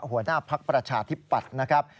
หัวหน้าภักดิ์ประชาธิปัตย์นะครับ